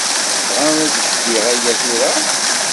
Tebɣam ad ldiɣ aya tura?